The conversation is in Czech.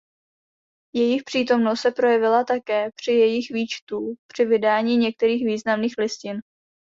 Jejich přítomnost se projevila také při jejich výčtu při vydání některých významných listin.